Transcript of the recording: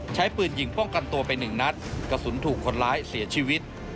ใช้ปืนยิงป้องกันตัวไปหนึ่งนัดกระสุนถูกคนร้ายเสียชีวิต